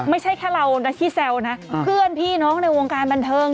ไม่ใช่แค่เรานะที่แซวนะเพื่อนพี่น้องในวงการบันเทิง